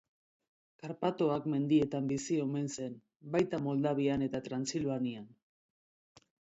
Karpatoak mendietan bizi omen zen, baita Moldavian eta Transilvanian.